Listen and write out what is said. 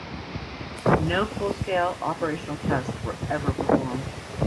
No full-scale operational tests were ever performed.